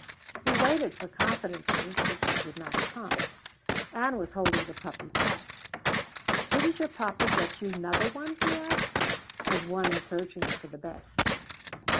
He waited for confidences which did not come. Ann was holding the puppy tight. "Didn't your papa get you 'nother one?" he asked, as one searching for the best.